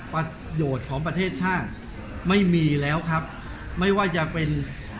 ประโยชน์ของประเทศชาติไม่มีแล้วครับไม่ว่าจะเป็น